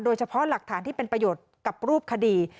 โดยเฉพาะหลักฐานที่เป็นประโยชน์กับรูปคดี